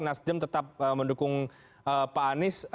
nasdem tetap mendukung pak anies